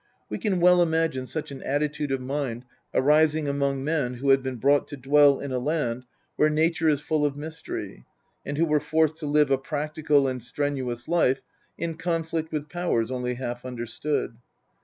We can well imagine such an attitude of mind arising among men who had been brought to dwell in a land where nature is full of mystery, and who were forced to live a practical and strenuous life in conflict with powers only half understood.